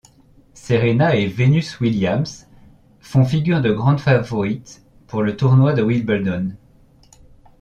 Serena et Venus Williams font figure de grandes favorites pour le tournoi de Wimbledon.